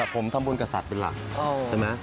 ผมทำบุญกับสัตว์เป็นหลักใช่ไหม